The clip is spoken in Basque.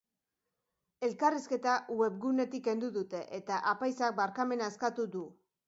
Elkarrizketa webgunetik kendu dute eta apaizak barkamena eskatu du.